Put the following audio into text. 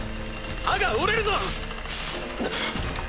刃が折れるぞ。